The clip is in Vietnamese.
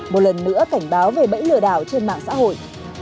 một lần nữa cảnh báo về bẫy lừa đảo trên mạng xã hội